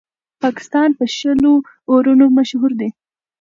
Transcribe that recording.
پاکستان په شلو اورونو مشهور دئ.